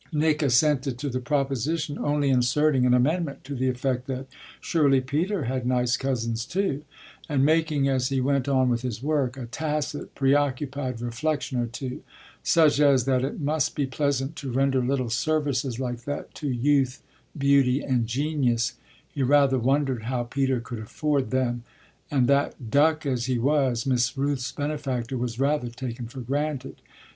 Nick assented to the proposition, only inserting an amendment to the effect that surely Peter had nice cousins too, and making, as he went on with his work, a tacit, preoccupied reflexion or two; such as that it must be pleasant to render little services like that to youth, beauty and genius he rather wondered how Peter could afford them and that, "duck" as he was, Miss Rooth's benefactor was rather taken for granted.